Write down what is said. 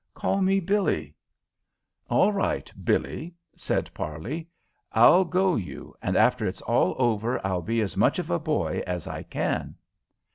Call me Billie." "All right, Billie," said Parley. "I'll go you, and after it's all over I'll be as much of a boy as I can."